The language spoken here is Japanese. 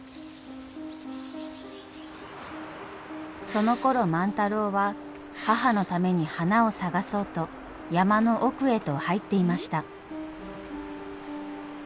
そのころ万太郎は母のために花を探そうと山の奥へと入っていました。